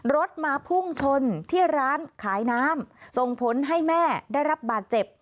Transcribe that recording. รถมาพุ่งชนที่ร้านขายน้ำส่งผลให้แม่ได้รับบาดเจ็บ